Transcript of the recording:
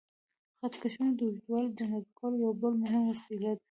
خط کشونه د اوږدوالي د اندازه کولو یو بل مهم وسیله ده.